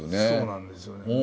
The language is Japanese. そうなんですよね。